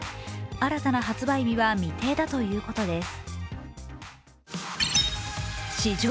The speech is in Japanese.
新たな発売日は未定だということです。